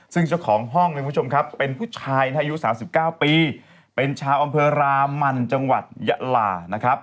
ซึ่งเจ้าของห้องเนี่ยคุณผู้ชมครับเป็นผู้ชายนะฮะอายุ๓๙ปีเป็นชาวอำเภอรามันจังหวัดยะลานะครับ